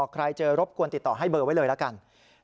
ใครเจอรบกวนติดต่อให้เบอร์ไว้เลยละกัน